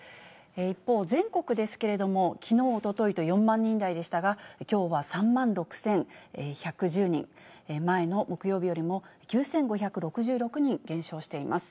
一方、全国ですけれども、きのう、おとといと４万人台でしたが、きょうは３万６１１０人、前の木曜日よりも９５６６人減少しています。